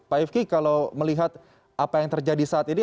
pak ifki kalau melihat apa yang terjadi saat ini